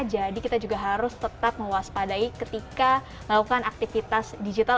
jadi kita juga harus tetap mengwaspadai ketika melakukan aktivitas digital